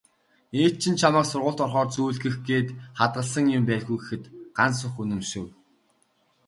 "Ээж чинь чамайг сургуульд орохоор зүүлгэх гээд хадгалсан юм байлгүй" гэхэд Гансүх үнэмшив.